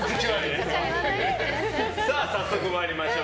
早速参りましょう。